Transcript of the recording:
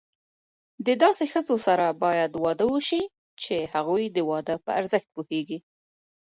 د داسي ښځو سره بايد واده وسي، چي هغوی د واده په ارزښت پوهيږي.